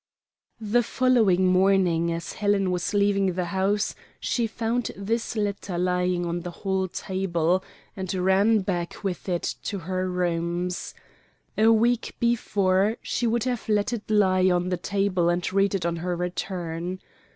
The following morning as Helen was leaving the house she found this letter lying on the hall table, and ran back with it to her rooms. A week before she would have let it lie on the table and read it on her return.